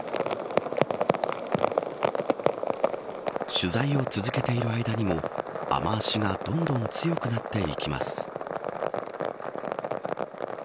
取材を続けている間にも雨脚がどんどん強くなっていきます。